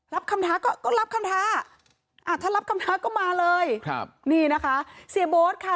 คำท้าก็ก็รับคำท้าอ่าถ้ารับคำท้าก็มาเลยครับนี่นะคะเสียโบ๊ทค่ะ